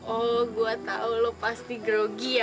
oh gue tau lo pasti grogi ya